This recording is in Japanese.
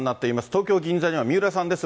東京・銀座には三浦さんです。